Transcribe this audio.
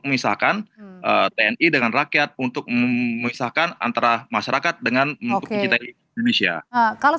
memisahkan kathryn i dengan rakyat untuk memisahkan antara masyarakat dengan facebook escala kalau